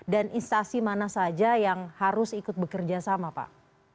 dan instasi mana saja yang harus ikut bekerja sama pak